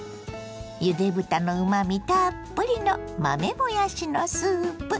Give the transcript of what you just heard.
ゆで豚のうまみたっぷりの豆もやしのスープ。